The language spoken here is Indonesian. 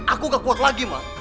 aku gak kuat lagi mah